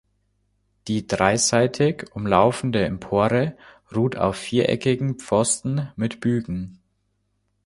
Die dreiseitig umlaufende Empore ruht auf viereckigen Pfosten mit Bügen.